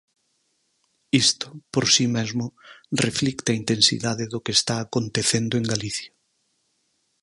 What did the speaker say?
Isto, por si mesmo, reflicte a intensidade do que está acontecendo en Galicia.